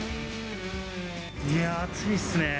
いやー、暑いっすね。